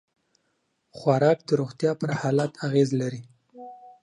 خوراک د روغتیا پر حالت اغېز لري.